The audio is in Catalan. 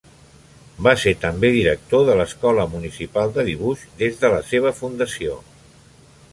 Va ser també director de l'Escola Municipal de Dibuix des de la seva fundació.